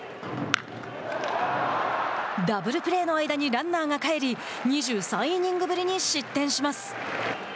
ダブルプレーの間にランナーが帰り２３イニングぶりに失点します。